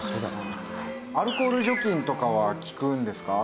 アルコール除菌とかは効くんですか？